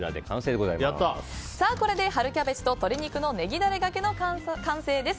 これで春キャベツと鶏肉のネギダレがけの完成です。